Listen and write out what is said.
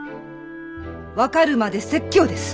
分かるまで説教です！